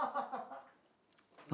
何？